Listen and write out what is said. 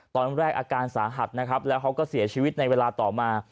อาการสาหัสนะครับแล้วเขาก็เสียชีวิตในเวลาต่อมา